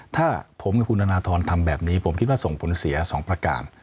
ถ้าผมกับคุณธนทรทำแบบนี้ผมคิดว่าส่งผลเสีย๒ประการ